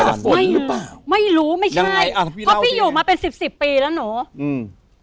ไม่รู้เปล่าไม่รู้ไม่ใช่อ่าพี่เพราะพี่อยู่มาเป็นสิบสิบปีแล้วหนูอืม